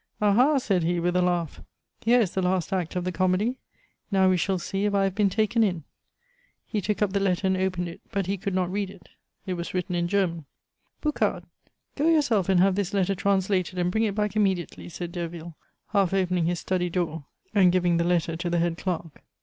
"Ah ha!" said he with a laugh, "here is the last act of the comedy; now we shall see if I have been taken in!" He took up the letter and opened it; but he could not read it; it was written in German. "Boucard, go yourself and have this letter translated, and bring it back immediately," said Derville, half opening his study door, and giving the letter to the head clerk.